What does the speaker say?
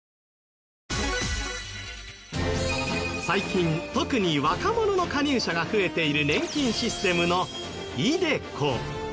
最近特に若者の加入者が増えている年金システムのｉＤｅＣｏ。